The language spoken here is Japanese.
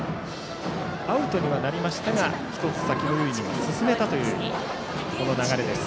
アウトにはなりましたが１つ先の塁に進めたというこの流れです。